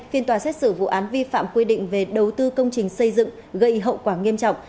phiên tòa xét xử vụ án vi phạm quy định về đầu tư công trình xây dựng gây hậu quả nghiêm trọng